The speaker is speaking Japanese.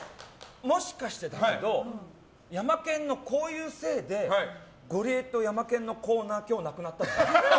もしかしてだけどヤマケンのこういうせいでゴリエとヤマケンのコーナー今日なくなったの？